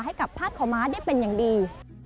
ให้กับภาคเขาม้าได้เป็นอย่างดี